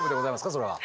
それは。